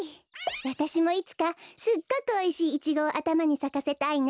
わたしもいつかすっごくおいしいイチゴをあたまにさかせたいな。